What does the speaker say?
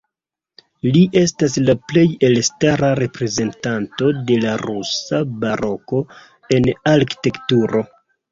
Li estas la plej elstara reprezentanto de la rusa baroko en arkitekturo.